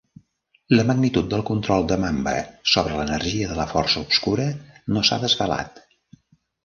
La magnitud del control de Mamba sobre l'energia de la força obscura no s'ha desvelat.